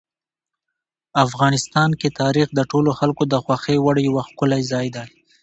افغانستان کې تاریخ د ټولو خلکو د خوښې وړ یو ښکلی ځای دی.